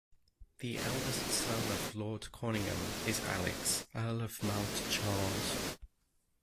The eldest son of Lord Conyngham is Alex, Earl of Mount Charles.